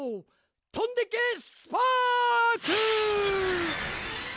とんでけスパーク！